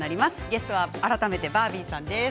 ゲストは改めてバービーさんです。